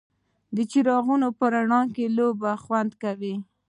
د څراغونو په رڼا کې لوبه خوند کوي.